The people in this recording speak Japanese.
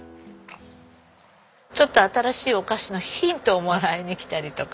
ちょっと新しいお菓子のヒントをもらいに来たりとかしてます。